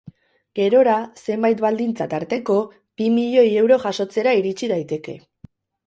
Gerora, zenbait baldintza tarteko, bi milioi euro jasotzera iritsi daiteke.